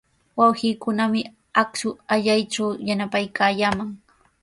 Wawqiikunami akshu allaytraw yanapaykaayaaman.